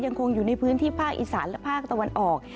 ยังคงอยู่ในพื้นที่ภาคอีสานและภาคตะวันออก